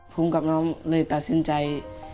ผมกับน้องเลยตัดสินใจ